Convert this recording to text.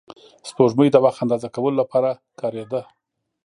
سپوږمۍ د وخت اندازه کولو لپاره کارېده